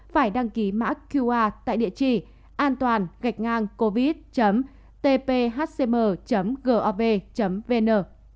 phải đăng ký mã qr tại địa chỉ antoan covid tphcm gov vn